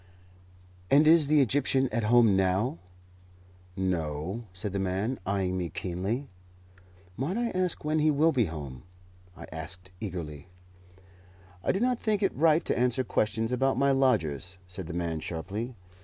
"And is the Egyptian at home now?" "No," said the man, eyeing me keenly. "Might I ask when he will be home?" I asked eagerly. "I do not think it right to answer questions about my lodgers," said the man, sharply.